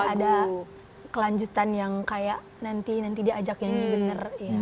ada kelanjutan yang kayak nanti nanti dia ajak nyanyi bener